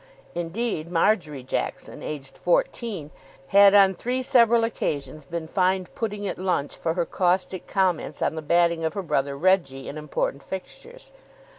Indeed, Marjory Jackson, aged fourteen, had on three several occasions been fined pudding at lunch for her caustic comments on the batting of her brother Reggie in important fixtures.